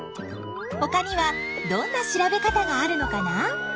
ほかにはどんな調べ方があるのかな？